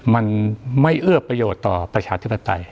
มันไม่เอื้อประโยชน์ต่อประชาธิปไตย